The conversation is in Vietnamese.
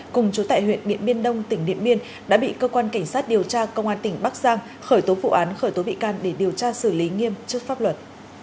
cùng chú tại huyện điện biên đông tỉnh điện biên đã bị cơ quan cảnh sát điều tra công an tỉnh bắc giang khởi tố vụ án khởi tố bị can để điều tra xử lý nghiêm trước pháp luật